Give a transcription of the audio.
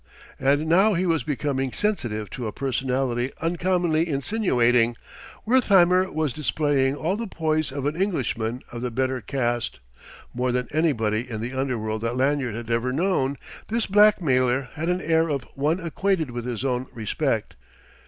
And now he was becoming sensitive to a personality uncommonly insinuating: Wertheimer was displaying all the poise of an Englishman of the better caste More than anybody in the underworld that Lanyard had ever known this blackmailer had an air of one acquainted with his own respect.